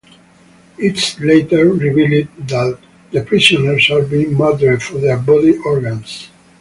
It is later revealed that the prisoners are being murdered for their body organs.